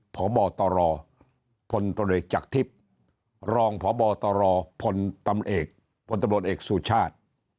ผอบตรพลตนเอกจักรทิพย์รองผอบตรพลตำเอกพลตำรวจเอกสู่ชาติ